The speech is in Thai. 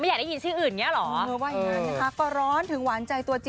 ไม่อยากได้ยินชื่ออื่นเงี้ยเหรอ